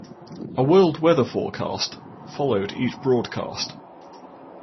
A world weather forecast followed each broadcast.